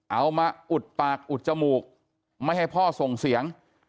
เอามาอุดปากอุดจมูกไม่ให้พ่อส่งเสียง